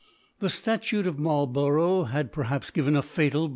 * The Statute of Marlborough f had perhaps ^ven a fatal B!